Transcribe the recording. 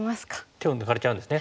手を抜かれちゃうんですね。